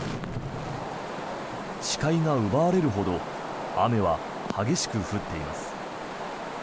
視界が奪われるほど雨は激しく降っています。